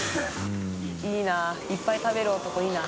いいないっぱい食べる男いいな。